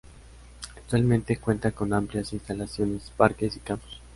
Actualmente, cuenta con amplias instalaciones, parques y campus.